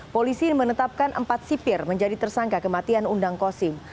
polisi menetapkan empat sipir menjadi tersangka kematian undang kosim